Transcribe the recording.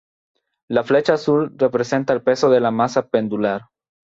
La flecha azul representa el peso de la masa pendular.